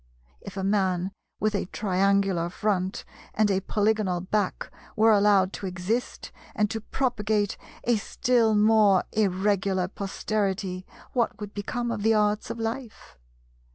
If a man with a triangular front and a polygonal back were allowed to exist and to propagate a still more Irregular posterity, what would become of the arts of life?